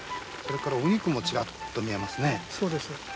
それからお肉もちらっと見えますね。